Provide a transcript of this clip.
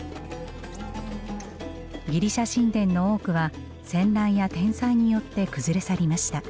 ギリシャ神殿の多くは戦乱や天災によって崩れ去りました。